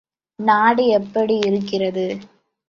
நாடு எப்படி இருக்கிறது?